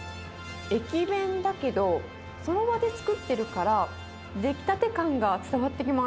駅弁だけど、その場で作っているから、出来たて感が伝わってきます。